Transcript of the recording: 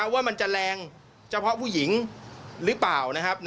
ว่ามันจะแรงเฉพาะผู้หญิงหรือเปล่านะครับ